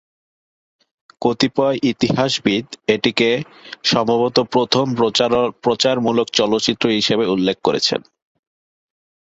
কতিপয় ইতিহাসবিদ এটিকে "সম্ভবত প্রথম প্রচারমূলক চলচ্চিত্র" হিসেবে উল্লেখ করেছেন।